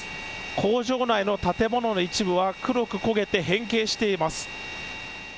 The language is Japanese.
工場内の建物の一部は黒く焦げて変形しています。